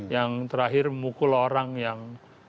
yang terakhir memukul orang yang